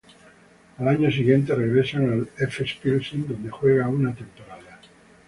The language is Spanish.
Al año siguiente regresa al Efes Pilsen, donde juega una temporada.